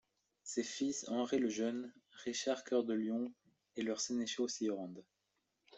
Ses fils Henri le Jeune, Richard Cœur de Lion, et leurs sénéchaux s’y rendent.